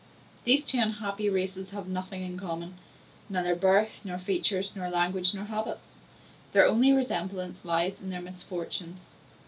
These two unhappy races have nothing in common; neither birth, nor features, nor language, nor habits. Their only resemblance lies in their misfortunes.